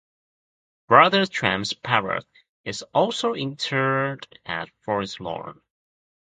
Brother James Parrott is also interred at Forest Lawn.